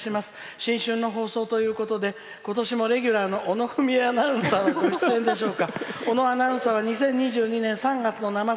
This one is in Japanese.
新春生放送ということで今年もレギュラーの小野文恵アナウンサーのご出演でしょうか。